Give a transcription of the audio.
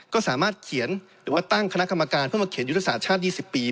ก็สามารถเขียนหรือว่าตั้งคณะกรรมการเพื่อมาเขียนยุทธศาสตร์ชาติ๒๐ปี